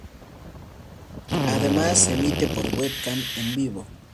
Además, Se emite por webcam en vivo.